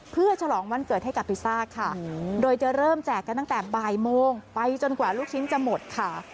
เพื่อฉลองวันเกิดให้กับพิซซ่าค่ะโดยจะเริ่มแจกกันตั้งแต่บ่ายโมงไปจนกว่าลูกชิ้นจะหมดค่ะ